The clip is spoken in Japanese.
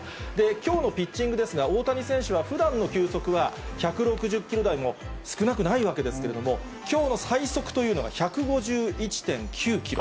きょうのピッチングですが、大谷選手はふだんの球速は１６０キロ台も少なくないわけですけれども、きょうの最速というのが１５１．９キロ。